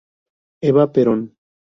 Eva Perón.